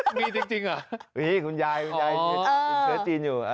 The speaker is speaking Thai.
อ่าวคุณยาย